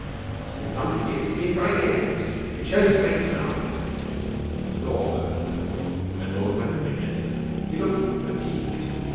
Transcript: It's something if he's been throwing eggs. It shows he's waking up.' The door opened and Lord Wetherby entered. He looked fatigued.